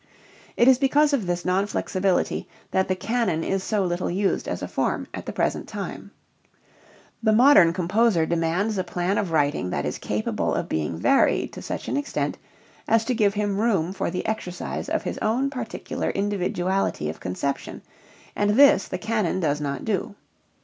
It is because of this non flexibility that the canon is so little used as a form at the present time: the modern composer demands a plan of writing that is capable of being varied to such an extent as to give him room for the exercise of his own particular individuality of conception, and this the canon does not do.